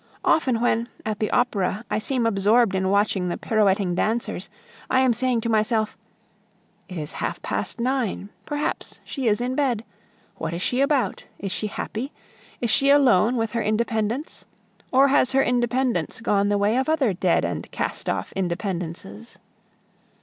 Often when, at the Opera, I seem absorbed in watching the pirouetting dancers, I am saying to myself, "It is half past nine, perhaps she is in bed. What is she about? Is she happy? Is she alone with her independence? or has her independence gone the way of other dead and castoff independences?"